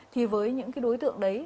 thì với những đối tượng đấy